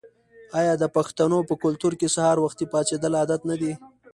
آیا د پښتنو په کلتور کې سهار وختي پاڅیدل عادت نه دی؟